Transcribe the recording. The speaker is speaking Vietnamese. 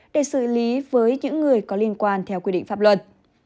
để xử lý với những người có liên quan theo quy định pháp luật